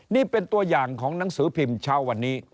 นี่เป็นตัวอย่างของหนังสือพิมพ์เช้าวันนี้